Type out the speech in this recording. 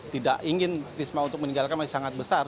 tidak ingin risma untuk meninggalkan masih sangat besar